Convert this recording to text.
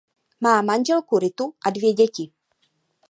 Má manželku Ritu a dvě děti.